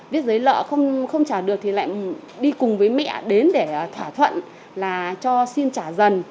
viết giấy nợ không trả được thì lại đi cùng với mẹ đến để thỏa thuận là cho xin trả dần